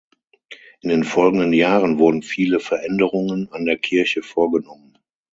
In den folgenden Jahren wurden viele Veränderungen an der Kirche vorgenommen.